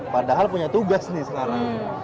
padahal punya tugas nih sekarang